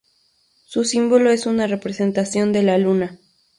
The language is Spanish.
Su símbolo es una representación de la luna.